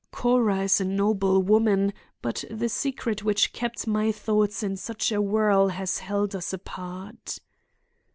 Cora is a noble woman, but the secret which kept my thoughts in such a whirl has held us apart.